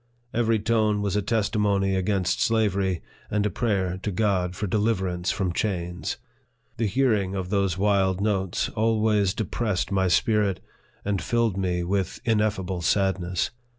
Every tone was a testimony against slavery, and a prayer to God for deliverance from chains. The hearing of those wild notes always depressed my spirit, and filled me with ineffable sadness.